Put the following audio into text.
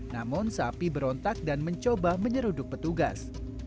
namun sapi berontak dan mencoba menyeruduk petugas